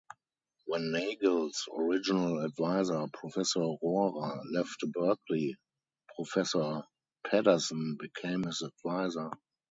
When Nagel's original advisor, Professor Rohrer, left Berkeley, Professor Pederson became his advisor.